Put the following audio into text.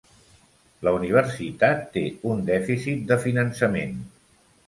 La universitat té un dèficit de finançament